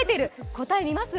答え見ます？